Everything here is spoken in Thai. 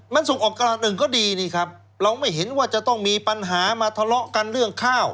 มันส่งออกกำลังหนึ่งก็ดีนี่ครับเราไม่เห็นว่าจะต้องมีปัญหามาทะเลาะกันเรื่องข้าว